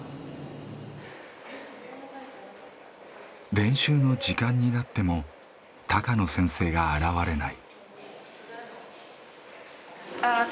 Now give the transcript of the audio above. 練習の時間になっても高野先生が現れない。